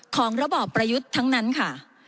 ของระบอบประยุทธ์ทั้งนั้นค่ะ